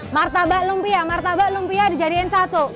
martabak lumpia martabak lumpia di jadikan satu